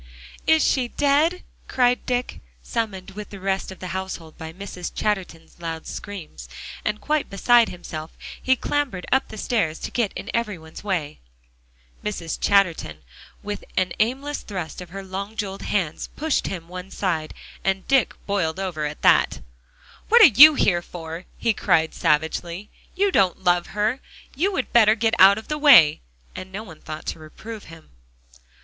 "Is she dead?" cried Dick, summoned with the rest of the household by Mrs. Chatterton's loud screams, and quite beside himself, he clambered up the stairs to get in every one's way. Mrs. Chatterton, with an aimless thrust of her long jeweled hands, pushed him one side. And Dick boiled over at that. "What are you here for?" he cried savagely. "You don't love her. You would better get out of the way." And no one thought to reprove him.